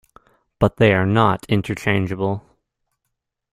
But they are not interchangeable.